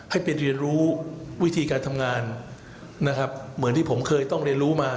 ให้ไปเรียนรู้วิธีการทำงานนะครับเหมือนที่ผมเคยต้องเรียนรู้มา